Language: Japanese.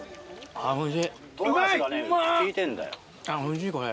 あっ、おいしい、これ。